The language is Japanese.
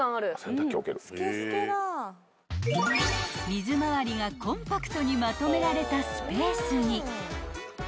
［水回りがコンパクトにまとめられたスペースに］